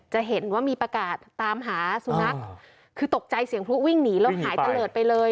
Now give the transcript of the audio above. จะเห็นว่ามีประกาศตามหาสุนัขคือตกใจเสียงพลุวิ่งหนีแล้วหายตะเลิศไปเลย